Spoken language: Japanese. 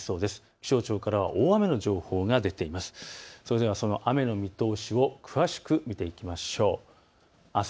気象庁からは大雨の情報が出ています。